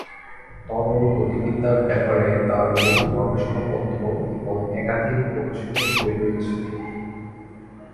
তরল গতিবিদ্যার ব্যাপারে তাঁর বহু গবেষণাপত্র এবং একাধিক প্রকাশিত বই রয়েছে।